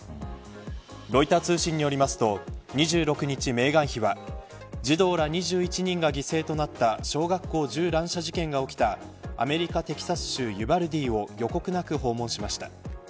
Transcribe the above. ロイター通信によりますと２６日、メーガン妃は児童ら２１人が犠牲となった小学校銃乱射事件が起きたアメリカ、テキサス州ユバルディを予告なく訪問しました。